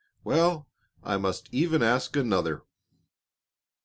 Well, I must even ask another."